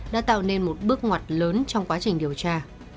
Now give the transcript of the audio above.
đã tạo nên một bước ngoặt lớn trong quá trình điều tra